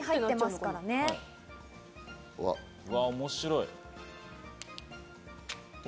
うわっ、面白い！